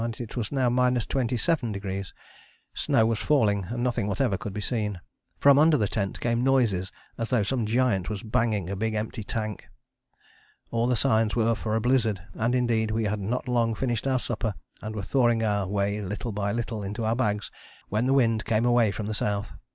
and it was now 27°; snow was falling and nothing whatever could be seen. From under the tent came noises as though some giant was banging a big empty tank. All the signs were for a blizzard, and indeed we had not long finished our supper and were thawing our way little by little into our bags when the wind came away from the south.